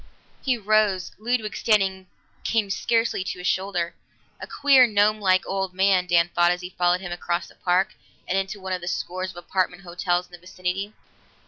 He rose; Ludwig, standing, came scarcely to his shoulder. A queer gnomelike old man, Dan thought as he followed him across the park and into one of the scores of apartment hotels in the vicinity.